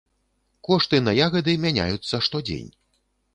Кошты на ягады мяняюцца штодзень.